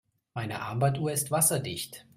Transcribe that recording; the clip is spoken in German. Meine Armbanduhr ist wasserdicht.